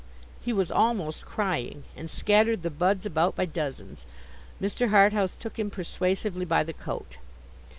He was almost crying, and scattered the buds about by dozens. Mr. Harthouse took him persuasively by the coat.